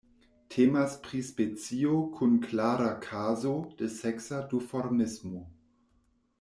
Temas pri specio kun klara kazo de seksa duformismo.